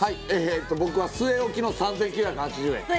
僕は据え置きの３９８０円。